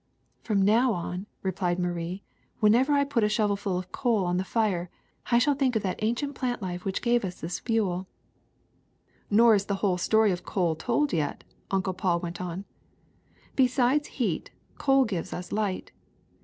^^From now on,'' replied Marie, *' whenever I put a shovelful of coal on to the fire, I shall think of that ancient plant life which gave us this fuel. '' ^'Nor is the whole story of coal told yet," Uncle Paul went on. ^^ Besides heat, coal gives us light.